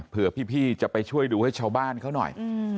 เพื่อพี่จะไปช่วยดูให้ชาวบ้านเขาหน่อย